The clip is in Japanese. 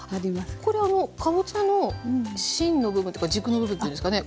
これはかぼちゃの芯の部分というか軸の部分というんですかね